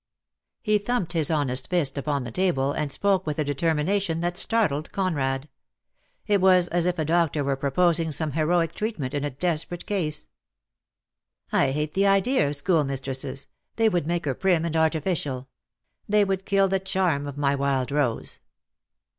He thumped his honest fist upon the table, and spoke with a determination that startled Conrad. It was as if a doctor were proposing some heroic treat ment in a desperate case. "I hate the idea of schoolmistresses. They would make her prim and artificial. They would kill the. charm of my wild rose."